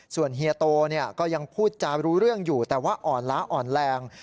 ส่วนเฮียโตก็ยังพูดจารู้เรื่องอยู่แต่ว่าอ่อนล้าอ่อนแรง